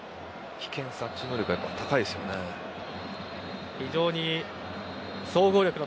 危険察知能力が高いですよね。